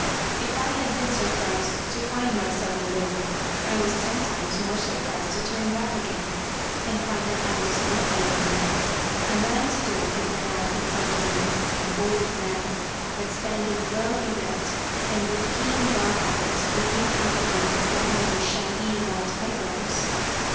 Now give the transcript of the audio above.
If I had been surprised to find myself alone, I was ten times more surprised to turn back again and find that I was not alone. A man stood in the path in front of me, an old man, but standing well erect, and with keen dark eyes looking out at me from under shaggy white eyebrows.